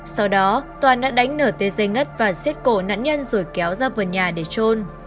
sau đó toàn đã đánh nở tê dây ngất và xiết cổ nạn nhân rồi kéo ra vườn nhà để trôn